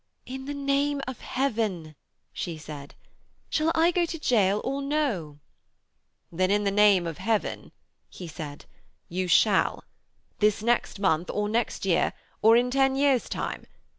'In the name of heaven,' she said, 'shall I go to gaol or no?' 'Then in the name of heaven,' he said, 'you shall this next month, or next year, or in ten years' time.